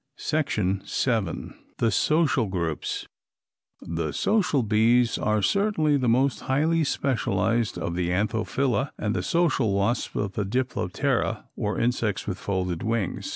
THE SOCIAL GROUPS The social bees are certainly the most highly specialized of the Anthophila, and the social wasps of the Diploptera or insects with folded wings.